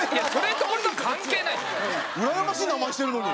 うらやましい名前してるのに。